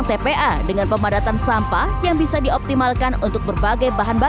tetapi perbedaan informasi tersebut tidak juga excavasi suatu biasiswa dan diantaranya adalahquarancia